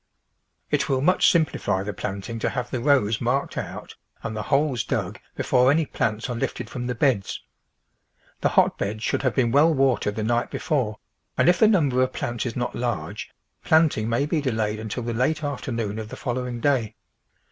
It will much simplify the planting to have the rows marked out and the holes dug before any plants are lifted from the beds. The hotbeds should have been well watered the night before, and if the number of plants is not large, planting may be TRANSPLANTING delayed until the late afternoon of the following day.